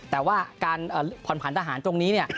แต่ว่าการผ่อนผันทหารตรงนี้เนี่ย